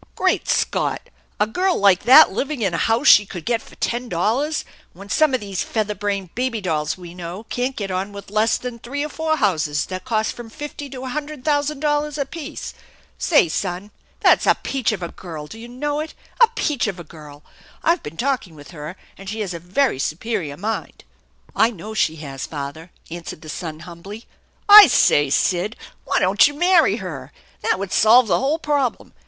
M " Great Scott ! A girl like that living in a house she could get for ten dollars, when some of these feather brained baby dolls we know can't get on with less than three or four houses that cost from fifty to a hundred thousand dollars apiece ! Say, son, that's a peach of a girl, do you know it ? A peach of a girl ! I've been talking with her, and she has a very superior mind." " I know she has, father," answered the son humbly. "I say, Sid, why don't you marry her? That would solve the whole problem.